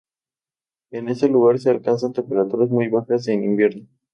En este lugar se alcanzan temperaturas muy bajas en invierno.